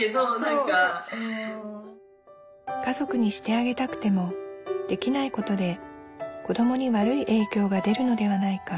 家族にしてあげたくてもできないことで子どもに悪い影響が出るのではないか。